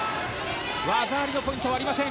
技ありのポイントはありません。